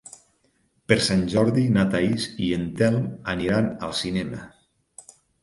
Per Sant Jordi na Thaís i en Telm aniran al cinema.